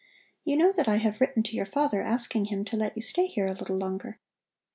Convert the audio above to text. "You know that I have written to your father asking him to let you stay here a little longer.